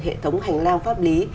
hệ thống hành lang pháp lý